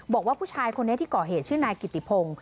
บอกว่าผู้ชายคนนี้ที่ก่อเหตุชื่อนายกิติพงศ์